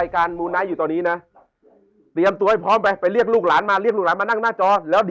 ขอบคุณครับ